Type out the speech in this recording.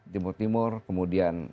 timur timur kemudian